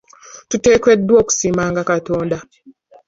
Tuteekeddwa okusiimanga Katonda.